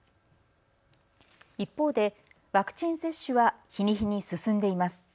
一方でワクチン接種は日に日に進んでいます。